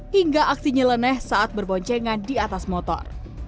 hingga aksinya leneh saat berboncengan di atas motor